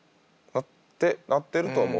なってると思う。